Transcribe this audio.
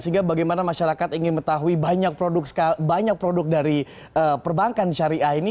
sehingga bagaimana masyarakat ingin mengetahui banyak produk dari perbankan syariah ini